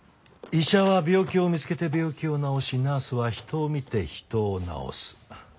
医者は病気を見つけて病気を治しナースは人を見て人を治す。